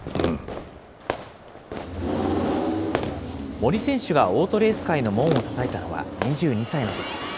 森選手がオートレース界の門をたたいたのは２２歳のとき。